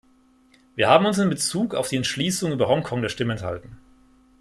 Wir haben uns in bezug auf die Entschließung über Hongkong der Stimme enthalten.